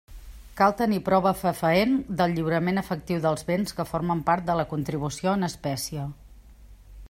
Cal tenir prova fefaent del lliurament efectiu dels béns que formen part de la contribució en espècie.